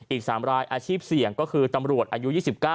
อีก๓รายอาชีพเสี่ยงก็คือตำรวจอายุ๒๙